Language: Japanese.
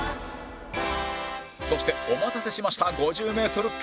そしてお待たせしました